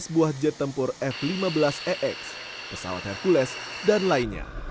dua belas buah jet tempur f lima belas ex pesawat hercules dan lainnya